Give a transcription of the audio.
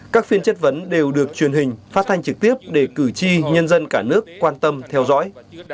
các phiên chất vấn đều được truyền hình phát thanh trực tiếp để cử tri nhân dân cả nước quan tâm theo dõi